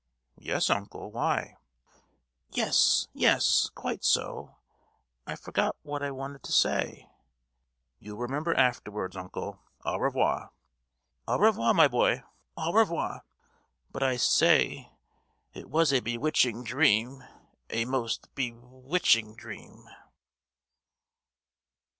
"Yes, uncle. Why?" "Yes, yes, quite so—I forget what I wanted to say——" "You'll remember afterwards, uncle! au revoir!" "Au revoir, my boy, au revoir—but, I say, it was a bewitching dream, a most be—witching dream!"